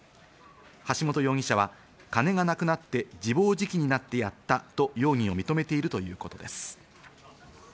橋本容疑者は、金がなくなって自暴自棄になってやったと容疑を認めているということです。